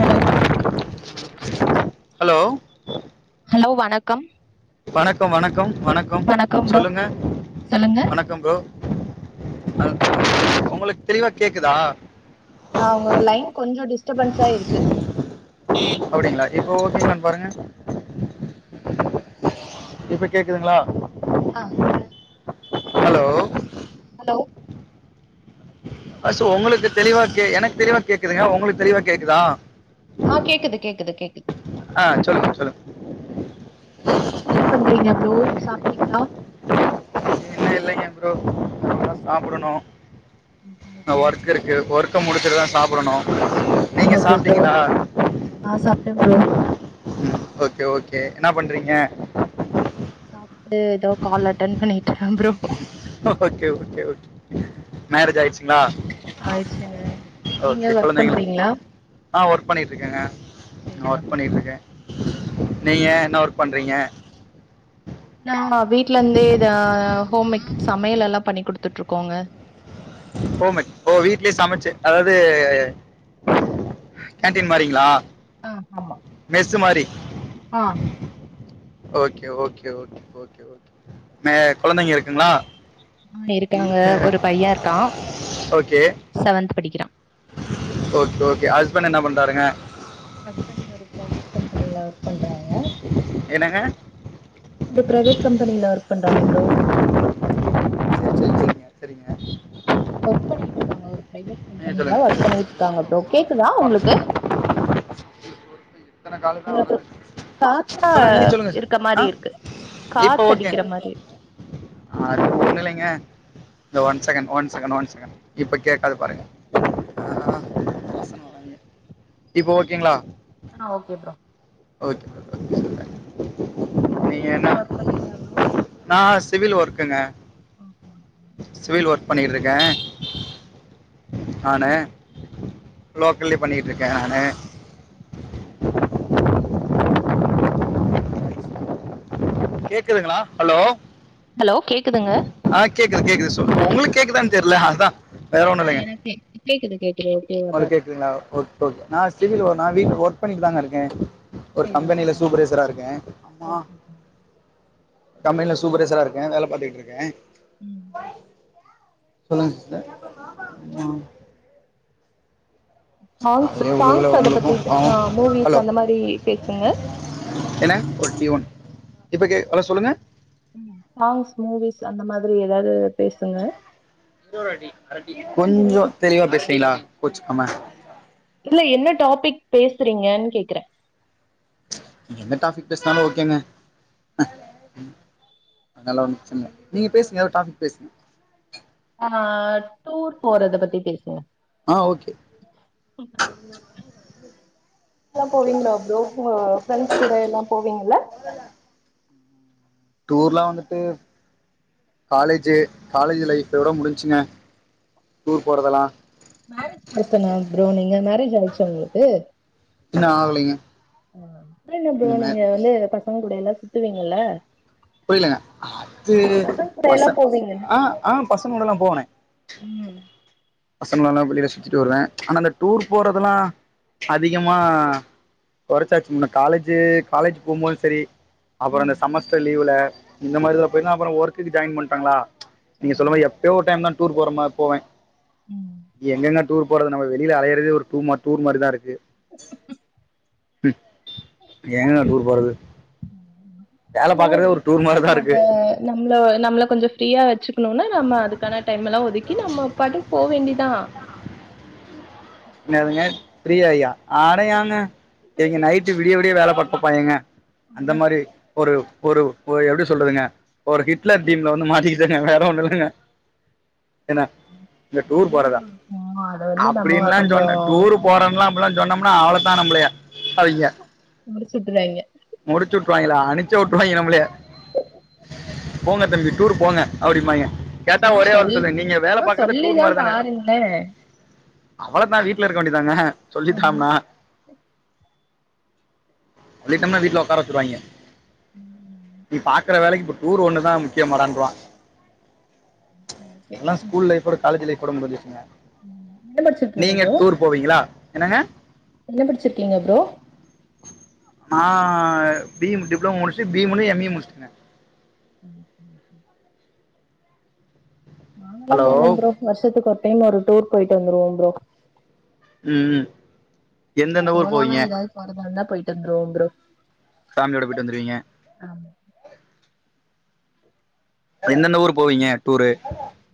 Hello hello hello வணக்கம் வணக்கம் வணக்கம் வணக்கம் சொல்லுங்க சொல்லுங்க வணக்கம் ப்ரோ உங்களுக் தெளிவா கேக்குதா ஆ உங்களுது லைன் கொஞ்சோ டிஸ்டபன்ஸா இருக்கு அப்படிங்களா இப்போ ஓகேவான் பாருங்க இப்ப கேக்குதுங்களா ஆ ஹலோ ஹலோ அ சோ உங்களுக்கு தெளிவா கே எனக் தெளிவா கேக்குதுங்க உங்களுக் தெளிவா கேக்குதா ஆ கேக்குது கேக்குது கேக்குது ஆ சொல்லுங் சொல்லுங் என்ன பண்றீங்க ப்ரோ சாப்ட்டீங்களா னும் ளைங்க ப்ரோ சாப்பிடணும் ஓகே வொர்க் இருக்குது இது ஓர்கக்க முடிச்சட்டு தா சாப்பிடணும் நீங்க ஓகே ப்ரோ சாப்பிட்டீங்களா ஆ சாப்ட்டேன் ப்ரோ ஓகே ஓகே என்ன பண்றீங்க சாப்ட்டு இதோ கால் அட்டன் பண்ணிட்டுருக்கே ப்ரோ ஓகே ஓகே மேரேஜ் ஆயிடுச்சுங்களா ஆயிருச்சுங்க நீங்க ஓகே ஒர்க் குழந்தைங்களா பண்றீங்களா ஆ ஒர்க் பண்ணிட்டுருக்கேங்க ஆ சரி ஒர்க் ஓகே பண்ணிட்ருக்கேன் நீங்கள் ஓகே என்ன ஒர்க் பண்றீங்க ஆ வீட்ல இருந்தே இத ஹோம் சமையல் எல்லாம் பண்ணி கொடுத்துட்டிருக்கோங்க ஹோம் ஓ வீட்லயே சமைச்சு அதாவது கேன்டீன் மாறீங்ளா ஆ மா ஆ ஓகே ஓகே கொழந்தைங்க இருக்குங்களா ஆ இருக்காங்க வீட்டில். ஒரு பையன் இருக்கான் ஓகே செவன்த் படிக்கிறா ஓகே ஹஸ்பண்ட் என்ன பண்றாருங்க ஹஸ்பண்ட் ஒரு பிரைவேட் கம்பெனில ஒர்க் பண்றாங்க என்னங்க ஒரு பிரைவேட் கம்பெனில ஒர்க் பண்றாங்க ப்ரோ சரி, சரி, சரிங்க சரிங்க ஒர்க் பண்ணிட்டுருக்காங்க ஒரு பிரைவேட் நீங்க கம்பெனில சொல்லுங்க ஒர்க் பண்ணி இருக்காங்க ப்ரோ கேக்குதா உங்களுக்கு இத்தனை காலு தான் வருது காத்தா சொல்லுங்க நீங்க சொல்லுங்க சார் இருக்க ஆ மாதிரி இருக்கு இப்போ ஓகே காத்தடிக்கிற மாதிரி அது ஒண்ணிலைங்க இந்த ஒன்சேகன்ட் ஒன்செகன் இப்ப கேட்காது பாருங்க இப்போ ஓகேங்களா ஆ ஓகே ப்ரோ ஓகே நீங்க என்ன ஒர்க் பண்றீங்க ப்ரோ நா சிவில் ஒர்க்குங்க சிவில் வொர்க் பண்ணிட்டிருக்கேன் ஓக [inaudible] நானு லோக்கல்லய பண்ணிட்டுருக்கேன் நானு [inaudible] கேக்குதுங்களா ஹலோ ஹலோ கேக்குதுங்க ஆ கேக்குது கேக்குது சொ உங்களுக்கு கேக்குதானு தெர்ல அதான் வேற ஒன்றும் ஆ‌ இல்லைங்க எனக் கே கேக்குது கேக்குது ஓகேவா தா உங்களுக்கு இருக்கு கேக்குதுங்களா ஓகே நான் சிவில் நான் வீட்ல ஒர்க் பண்ணிட்டுதாங்க இருக்கேன் ஒரு சேரி கம்பெனியில ஓகே சூப்பரைசரா இருக்கேன் ஆமா ஓகே கம்பெனில சூப்பரைசரா இருக்கு வேலை பாத்திட்டுருக்கேன் ம் சொல்லுங்க சிஸ்டர் ம் சாங்ஸ் அதுலேயே சாங்ஸ் உலகில் அத பத்தி உங்களுக்கும் ஆ பாவம் மூவிஸ் ஹலோ அந்த மாறி பேசங்க என்ன ஒரு டீ ஒன் இப்ப கே அ சொல்லுங்க சாங்ஸ் மூவிஸ் அந்த மாதிரி ஏதாவது பேசுங்க கொஞ்சம் தெளிவா பேசுறீங்களா கோச்சுக்காம இல்ல என்ன டாபிக் பேசுறீங்கன் கேக்குறே என்ன டாபிக் பேஸ்னாலு ஓகேங்க அனால ஒன்னு பிரச்சன இல்ல நீங்க பேசுங்க எதா ஒரு டாபிக் பேசுங்க ஆ டூர் போறத பத்தி பேசுங்க ஆ ஓகே எல்லா ஓகே போவிங்ளா ஓகே ப்ரோ அ ஃப்ரெண்ட்ஸ் கூட எல்லா போவீங்ள ஆ டூர்லா வந்துட்டு காலேஜு காலேஜ் லைஃப் ஒட முடிஞ்சுங்க டூர் போறதெல்லா மேரேஜ் பர்சனா ப்ரோ நீங்க மேரேஜ் ஆயிடுச்சா உங்குளுக்கு இன்னும் ஆகலைங்க அப்றோ என்ன ப்ரோ இனிமேல் நீங்க வந்து இத பசங்க கூட எல்லா சுத்துவீங்கல்ல புரிலங்க அது பசங்க கூட எல்லா பசங் போவீங்கல்ல ஆ ஆ பசங்க கூட எல்லா போவே ம் பசங்கலோடலா வெளிலசுத்திட்டு வருவே ஆனா அந்த டூர் போறதுலா அதிகமா கொறைச்சாச்சு முன்ன காலேஜு காலேஜ் போம்போது செரி அப்றோ இந்த ம் செமஸ்டர் லீவுல இந்த மாரி தா போயிருந்தோ அப்றோ ஒர்க்குக்கு ஜாயின் பண்ணிட்டாங்களா ஆ நீங்க சொன்ன மாரி எப்பயோ ஒரு டைம் தா டூர் போற மாரி போவே ம் எங்கங்க டூர் போறது நம்ம வெளில அலைறதே ஒரு டூ மா டூர் மாரிதா இருக்கு இதுல எங்கங்க டூர் போறது வேல பாக்கறதே ஒரு டூர் மாரிதா இருக்கு நம்ல நம்ள கொஞ்சோ ப்ரீயா வச்சு ம்னா நம்ம அதுக்கான டைம் எல்லா ஒதுக்கி நம்ம பாட்டுக்கு போ வேண்டிதா என்னதுங்க ஃப்ரீயாயா அட ஏங்க எங்க நைட்டு விடிய விடிய வேல பாப்போ ஏங்க அந்த ஆ மாரி ஒரு ஒரு ஒரு எப்டி சொல்றதுங்க ஒரு ஹிட்லர் டீம்ல வந்து மாட்டிகிட்டங்க வேற ஒன்னு இல்லைங்க என்ன இந்த டூர் அதான் போறதா ப்ரோ ஆ அத வந்து நம்ம அப்டின்லா கொஞ்சோ சொன்ன டூரு போறன்லா அப்டில்லா சொன்னம்னா அவ்ளதா நம்லய [inaudible] அங்க முடிச்சுட்டுறாங்க முடிச்சு உட்ருவாய்ங்களா அனுச்சி உட்ருவாய்ங்க நம்ளய போங்க தம்பி டூரு போங்க அப்டிம்பாய்ங்க கேட்ட சும்மா ஒரே வார்த்த சொல் நீங்க வேல பாக்குறதே டூர் மாரி தான ஆ அவளதா வீட்ல இருக்க வேண்டியதாங்க ம் சொல்லிக்காம சொல்லிட்டம்னா வீட்ல ஒக்கார வச்சிருவாய்ங்க பாக் இருக்குற வேலைக்கு இப்ப டூர் ஒன்னு தா முக்கியமாடான்ட்ருவா ஓகே அதெல்லா ஸ்கூல் ஃலைப் காலேஜ் லைஃப் ஓட முடிஞ்சிச்சுங்க [unintelligible] நீங்க டூர் போவீங்களா என்னங்க என்ன படிச்சிருக்கீங்க ப்ரோ நா பி எம் டிப்ளமோ முடிச்சு பி ஏ முடிச்சி எம் ஏ முடிச்சங்க ம் நாங்கல்லா ஹலோ போவோ ப்ரோ வர்ஷத்துக்கு ஒரு டைம் ஒரு டூர் போயிட்டு வந்துருவோ ப்ரோ ம் எந்தெந்த ஊர் சோலாவா போவீங்க எதாது போறதா இருந்தா போயிட்டு வந்துருவோ ப்ரோ ஃபேமியோட போயிட்டு வந்துருவிங்க ஆமா எந்தெந்த ஊரு போவீங்க டூரு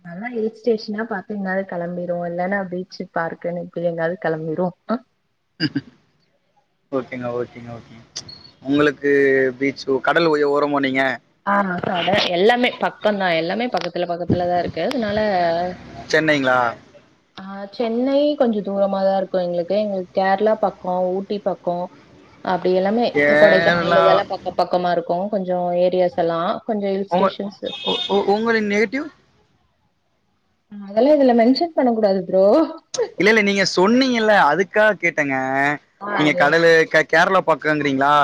நல்லா ஹில் ஸ்டேஷனா பார்த்த நல்லா ஹில்ஸ் ஸ்டேஷனா பாத்து எங்காது கெளம்பிருவோ இல்லன்னா பீச்சு பார்குன்னு இப்டி எங்காது கெளம்பிருவோ ஹ ஓகேங்க ஓகேங்க ஓகேங் ஒங்களுக்கு பீச்சு கடல் ஓய ஓரமோ நீங்க ஆ கட எல்லாமே பக்கந் தா எல்லாமே பக்கத்துல பக்கத்துல தா இருக்கு அதுனால சென்னைங்ளா ஆ சென்னை கொஞ்சொ தூரமா தா இருக்கு எங்ளுக்கு எங்களுக் கேரளா பக்கொ ஊட்டி பக்கொ அப்டி எல்லாமே கொடைக்கானல் கேரளா இதெல்லா பக்கொ பக்கமா இருக்கு கொஞ்சொ ஏரியாஸ் எல்லா கொஞ்சோ ஹில் உங்க ஸ்டேஷன்ஸ் உங்களின் நேட்டிவ் அதெல்லா இதுல மென்ஷன் பண்ண கூடாது ப்ரோ இல்ல இல்ல நீங்க சொன்னீங்கல்ல அதுக்காக கேட்டெங்க ஆ நீங்க அது கடலு கேரளா பக்கங்கிறீங்களா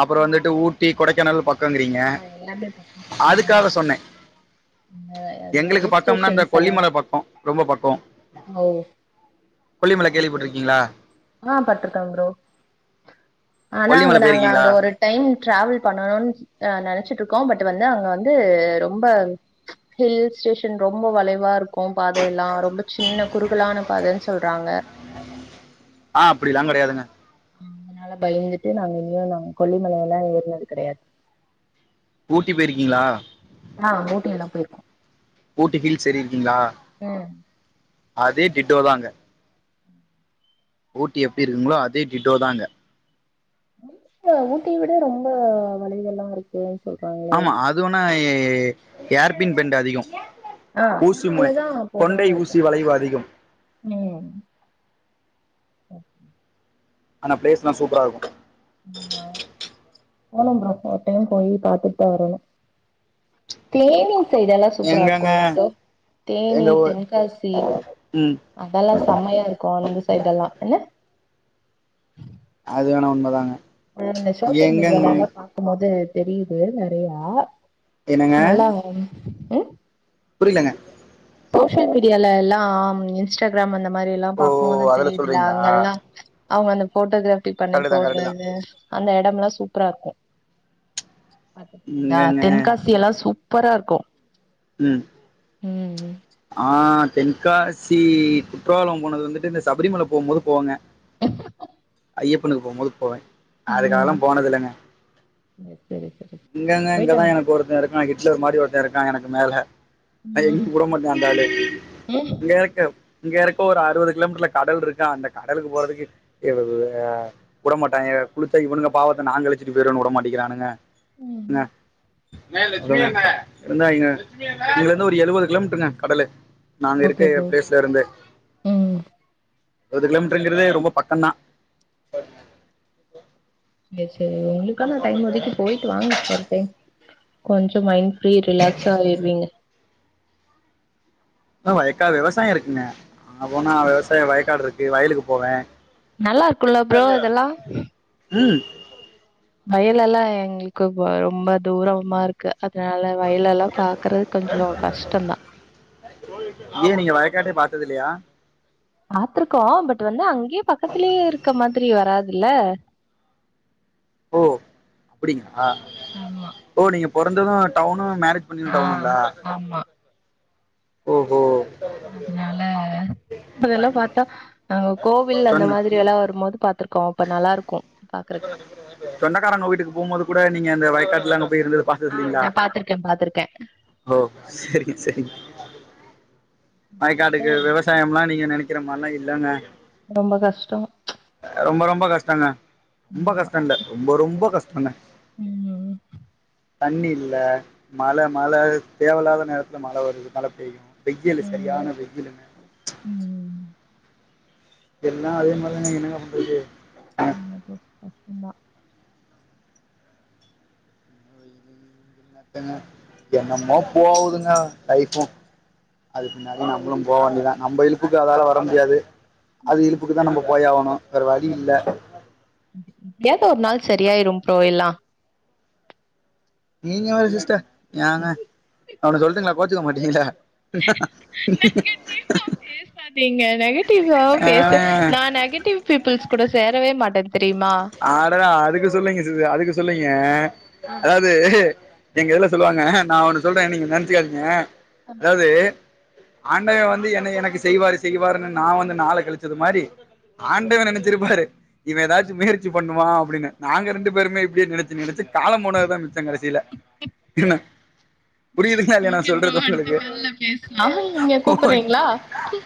அப்பறொ ஆமா வந்துட்டு ப்ரோ ஊட்டி கொடைக்கானல் பக்கங்கிறீங்க ஆ எல்லாமே பக்கம் பக்கமா தா அதுக்காக இருக்கு சொன்னே அந்த எங்களுக்கு ஹில் பக்கம்னா இந்த ஸ்டேஷன்ஸ் எல்லா கொல்லிமல பக்கொ ரொம்ப பக்கொ ஓ கொல்லிமல கேள்வி ஓகே பட்ருக்கீங்களா ஆ பட்ருக்கே ப்ரோ ஆனா அங்க கொல்லிமலை நாங்க போயிருக்கீங்களா ஒரு டைம் டிராவல் பண்ணணுன் நெனச்சிட்டு இருக்கோ பட் வந்து அங்க வந்து ரொம்ப ஹில்ஸ் ஸ்டேஷன் ரொம்ப வளைவா இருக்கு பாதையல்லா ரொம்ப சின்ன குறுகலான பாதன்னு சொல்றாங்க ஆ அப்புடிலா கெடையாதுங்க அ அதுனால பயந்துட்டு நாங்க இன்னிவர நாங் கொல்லிமலையல்லா ஏறுணது கெடையாது ஊட்டி போயிருக்கீங்களா ஆ ஊட்டியல்லா போயிர்க்கோ ஊட்டி ஹில்ஸ் ஏரிருக்கீங்ளா ம் அதே டிட்டோ தா அங்க ஊட்டி எப்டி இருக்குங்களோ அதே டிட்டோ தா அங்க இல்ல ஊட்டிய விட ரொம்ப வலைவுகல்லா இருக்குன் சொல்றாங்களே அதிகொன்னா ஏ ஏர்பின் பெண்ட் அதிகொ ஆ ஊசி முனை அதனாலதா கொண்டை போகாம இருக்கோ ஊசி வளைவு அதிகம் ம் ஆனா பிளேஸ்ல்லா சூப்பரா இருக்கு ஆ போனு ப்ரோ ஒரு டைம் போய் பாத்துட்டு தா வரணு தேனி சைடெல்லா சூப்பரா இருக்குல்ல எங்கங்க ப்ரோ தேனி எங்க ஊ தென்காசி ம் அதல்லா செமையா இருக்கு அந்த சைடு எல்லா என்ன அது வேணா உண்மதாங்க அ இந்த சோஷியல் எங்கங்க மீடியால எல்லா பாக்கும் போது தெரியிது நெறையா என்னங்க நல்லா ம் புரிலங்க சோஷியல் மீடியால எல்லா இன்ஸ்டாகிராம் அந்த மாரில்லா ஓ பாக்கும் போது அதுல தெரியுதுல சொல்றீங்களா அங்கெல்லா அவுங்க அந்த போட்டோகிராபி பண்ணி கரெக்டு தா கரெக்டு தா போட்றது அந்த எடமெல்லா சூப்பரா இருக்கு பாத்துருக்கீங்ளா இங்கங்க தென்காசி எல்லா சூப்பரா இருக்கு ம் ம் ஆ தென்காசி குற்றாளம் போனது வந்துட்டு இந்த சபரிமல போகும்போது போவங்க [inaudible] ஐயப்பனுக்கு போம்போது போவே அதுக்காகல்லா ம் போனது இல்லங்க சரி சரி இங்கங்க போயிட்டா இங்கதா எனக்கு ஒருத்தன் இருக் கா ஹிட்லர் மாரி ஒருத்தன் இருக்கான் எனக்கு மேல அது ம் எங்கயு உடமாட்டா அந்த ஆளு ம் இங்க இருக்க இங்க இருக்க ஒரு அறுவது கிலோமீட்டர்ல கடல் இருக்கா அந்த கடலுக்கு போறதுக்கு உடமாட்டாங்க குளிச்சா இவனுங்க பாவத்தை நா கழிச்சுட்டு போயிருவேனு உடமாட்டிக்கிறானுங்க என்ன ம் [inaudible] இருந்தாய்ங்க இதுலருந்து ஒரு எழுவது கிலோ மீட்டருங்க கடலு நாங்க ஓகே இருக்குற ப்ரோ ஃப்லேஸ்ல இருந்து ம் எழுவது கிலோமீட்டர்ங்கிறதே ரொம்ப பக்கந்தா சேரி சேரி உங்களுக்கான டைம் ஒதுக்கி போயிட்டு வாங்க ஒரு டைம் கொஞ்ச மைண்ட் ஃப்ரீ ரிலாக்ஸா ஆயிருவீங்க வயக்காடு விவசாய இருக்குங்க அங்க போனா விவசாயம் வயக்காடு இருக்கு வயலுக்கு போவே நல்லா இருக்குல்ல ப்ரோ இதெல்லா ம் வயலெல்லா எங்களுக்கு ரொம்ப தூரமா இருக் க்கு அதனால வயல் எல்லா பாக்குறது கொஞ்ச கஷ்டந்தா ஏ நீங்க வயக்காட்டே பாத்தது இல்லையா பாத்திருக்கோ பட் வந்து அங்கேயே பக்கத்திலயே இருக்க மாதிரி வராதுல்ல [unintelligible] ஓ அப்படிங்களா ஆமா ஓ நீங்க பொறந்தது டவுனு மேரஜ் பண்ணது ஆ டவுனுங்களா ஆமா ஓஹோ அதுனால அப்ப இதெல்லா பாத்தா அ கோவில்ல அந்த சொன்ன மாதிரி எல்லா வரும்போது பாத்திருக்கோ அப்ப நல்லா இருக்கு பாக்குறக்கு சொந்தக்காரங்க வீட்டுக்கு போகும் போது கூட நீங்க இந்த வயக்காட்டுல அங்க போய் இருந்து ஆ நா பாத்திருக்கே பாத்திருக்கே ஓ செரி செரி இதா வயக்காட்டுக்கு விவசாயம்லா நீங்க நனைக்கிற மாரில்லா இல்லைங்க ரொம்ப கஷ்டோ ரொம்ப ரொம்ப கஷ்டங்க ரொம்ப ஆமா கஷ்ட இல்ல ரொம்ப ரொம்ப கஷ்டங்க ம் தண்ணி இல்ல மழ மழ தேவல்லாத நேரத்துல மழ வருது மழ பெய்யு வெயில் ம் சரியான வெயிலுங்க ம் எல்லா அதே மாரிதாங்க என்னங்க பண்றது ஆமா ப்ரோ கஷ்டந்தா என்னம்மோ போவுதுங்க லைஃபு அதுக்கு பின்னாடி நம்மளு போக வேண்டியதா நம்ம இழுப்புக்கு அதால வர முடியாது அது இழுப்புக்கு தா நம்ம போய் ஆவனு வேற வழி இல்ல எப்டியாது ஒரு நாள் சரியாயிரும் ப்ரோ எல்லா நீங்க வேற சிஸ்டர் ஏங்க நா ஒன்னு சொல்ட்டுங்களா கோச்சுக்க மாட்டீங்களா நெகட்டிவா [inaudible] பேசாதீங்க நெகட்டிவ் வா பேச நா நெகட்டிவ் பீப்புள்ஸ் கூட சேரவே மாட்டே தெரியுமா அட நா அதுக்கு சொல்லீங்க சிஸ் அதுக்கு சொல்லீங்க அதாவது எங்க இதுல சொல்லுவாங்க நா ஒன்னு சொல்றே நீங்க நெனச்சுக்காதீங்க அதாவ்து ஆண்டவே வந்து என்ன எனக்கு செய்வாரு செய்வாருன்னு நா வந்து நாள கழிச்சது மாரி ஆண்டவே நெனச்சிருப்பாரு இவே ஏதாச்சு மேர் ச்சி பண்ணுவா அப்டின்னு நாங்க ரெண்டு பேருமே இப்டியே நெனச்சு நெனச்சு காலோ போனதுதா மிச்சோ கடசியல இன்னு புரிதுங்களா இல்லையா நா ஓகே ப்ரோ சொல்றது அடுத்த ஒங்களுக்கு கால்ல பேசலாம் நீங்க ஓக் கூப்பிடுறீங்களா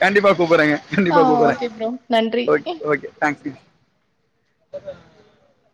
கண்டிப்பா கூப்டறேங்க ஆ கண்டிப்பா கூப்புர்றே ஓகே ப்ரோ நன்றி ஓக் ஓகே தேங்க்யூங்க ச [inaudible]